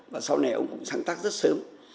và sau này ông cũng sáng tác rất sớm